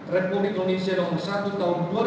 republik indonesia nomor satu